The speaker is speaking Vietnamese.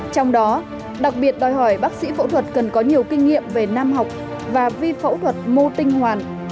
trong đó đặc biệt đòi hỏi bác sĩ phẫu thuật cần có nhiều kinh nghiệm về nam học và vi phẫu thuật mô tinh hoàn